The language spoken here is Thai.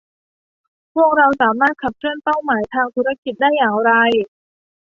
พวกเราสามารถขับเคลื่อนเป้าหมายทางธุรกิจได้อย่างไร